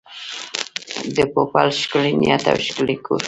د پوپل ښکلی نیت او ښکلی کور.